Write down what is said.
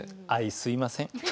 あいすいません。